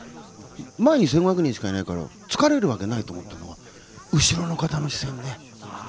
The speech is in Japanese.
前に１５００人しかいないから疲れるわけないと思ったら後ろの方の視線ね。